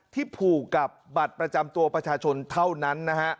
ผูกกับบัตรประจำตัวประชาชนเท่านั้นนะฮะ